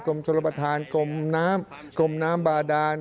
กลมโชฬบัทธานกลมน้ำบ่าดาน